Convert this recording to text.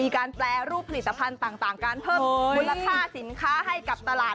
การแปรรูปผลิตภัณฑ์ต่างการเพิ่มมูลค่าสินค้าให้กับตลาด